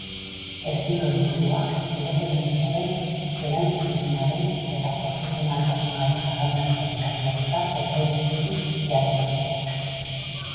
Estilo liburuak independentziaren, erantzukizunaren eta profesionaltasunaren parametroetatik abiatuta eskaintzen ditu jarraibideak.